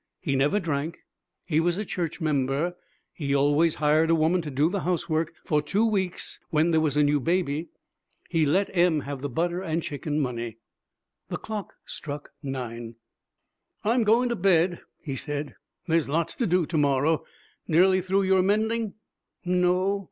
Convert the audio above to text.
He never drank. He was a church member. He always hired a woman to do the housework, for two weeks, when there was a new baby. He let Em have the butter and chicken money. The clock struck nine. 'I'm going to bed,' he said, 'there's lots to do to morrow. Nearly through your mending?' 'No.